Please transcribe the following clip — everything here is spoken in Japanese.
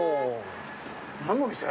何のお店？